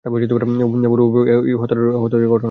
ফলে উভয় পক্ষের এই হতাহতের ঘটনা ঘটেছে।